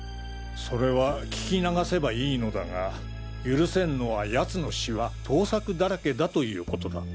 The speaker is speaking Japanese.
それは聞き流せばいいのだが許せんのは奴の詞は盗作だらけだということだ。